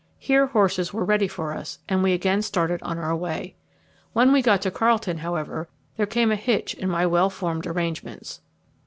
Here horses were ready for us, and we again started on our way. When we got to Carlton, however, there came a hitch in my well formed arrangements.